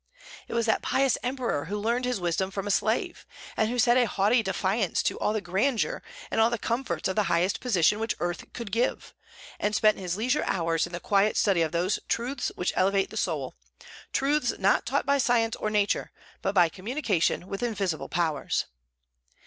It was that pious Emperor who learned his wisdom from a slave, and who set a haughty defiance to all the grandeur and all the comforts of the highest position which earth could give, and spent his leisure hours in the quiet study of those truths which elevate the soul, truths not taught by science or nature, but by communication with invisible powers.